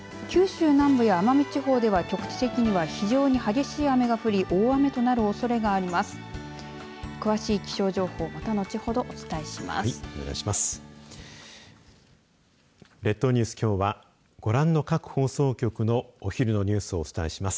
九州南部や奄美地方では局地的には非常に激しい雨が降り大雨となるおそれがあります。